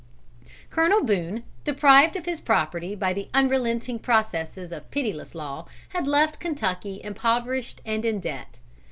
Colonel Boone, deprived of his property by the unrelenting processes of pitiless law, had left Kentucky impoverished and in debt.